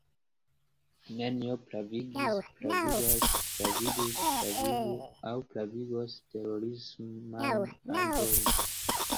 Nenio pravigis, pravigas, pravigus, pravigu aŭ pravigos terorismajn agojn.